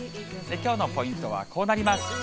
きょうのポイントはこうなります。